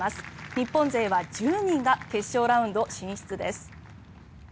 日本勢は１０人が決勝ラウンド進出です。